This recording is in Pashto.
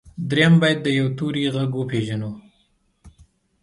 درېيم بايد د يوه توري غږ وپېژنو.